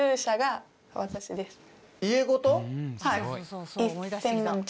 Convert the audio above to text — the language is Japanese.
はい。